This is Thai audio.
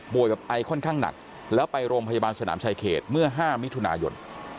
กับไอค่อนข้างหนักแล้วไปโรงพยาบาลสนามชายเขตเมื่อ๕มิถุนายน